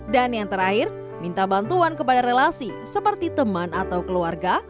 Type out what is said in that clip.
dan yang terakhir minta bantuan kepada relasi seperti teman atau keluarga